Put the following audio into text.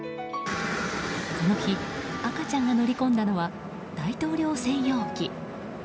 この日赤ちゃんが乗り込んだのは大統領専用機。